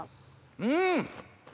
うん！